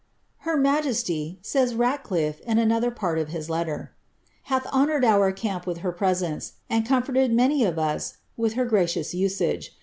" Her majesty," says Ratclifie,* in another part of his letter, " hath honoured our camp with her presence, and comforted many of us with her gracious usage.